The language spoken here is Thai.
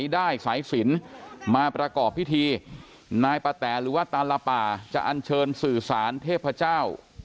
ได้สายสินมาประกอบพิธีนายปะแต๋หรือว่าตาลป่าจะอันเชิญสื่อสารเทพเจ้า